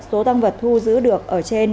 số tăng vật thu giữ được ở trên